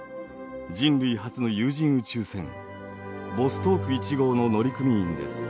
人類初の有人宇宙船ボストーク１号の乗組員です。